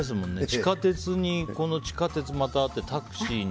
地下鉄に地下鉄またあってタクシーに。